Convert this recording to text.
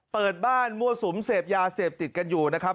เปิดบ้านมั่วสุมเสพยาเสพติดกันอยู่นะครับ